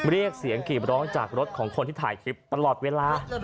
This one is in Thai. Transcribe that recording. เรียกเสียงกรีบร้องจากรถของคนที่ถ่ายคลิปตลอดเวลา